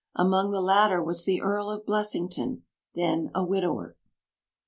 Among the latter was the Earl of Blessington, then a widower."